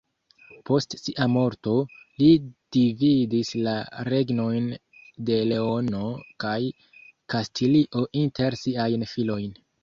Post sia morto, li dividis la regnojn de Leono kaj Kastilio inter siajn filojn.